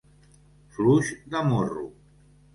Fluix de morro.